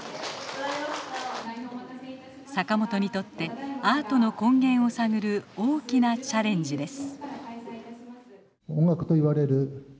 坂本にとってアートの根源を探る大きなチャレンジです。